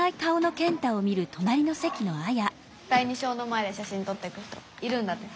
第二小の前でしゃしんとってく人いるんだってさ。